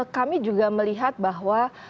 kami juga melihat bahwa